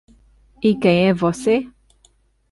E quem é você?